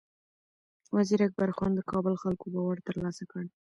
وزیر اکبر خان د کابل خلکو باور ترلاسه کړ.